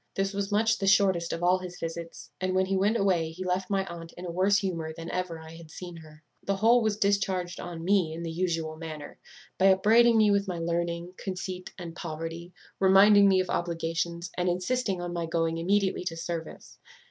This was much the shortest of all his visits; and when he went away he left my aunt in a worse humour than ever I had seen her. The whole was discharged on me in the usual manner, by upbraiding me with my learning, conceit, and poverty; reminding me of obligations, and insisting on my going immediately to service.